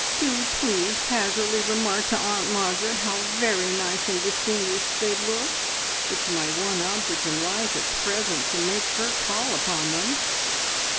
Do please casually remark to Aunt Margaret how very nice and distinguished they look! It's my one object in life at present to make her call upon them."